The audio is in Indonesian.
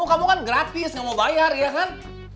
kamu kan gratis gak mau bayar ya kan